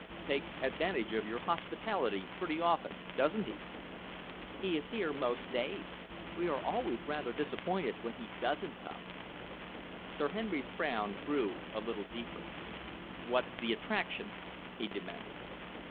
"Takes advantage of your hospitality pretty often, doesn't he?" "He is here most days. We are always rather disappointed when he doesn't come." Sir Henry's frown grew a little deeper. "What's the attraction?" he demanded.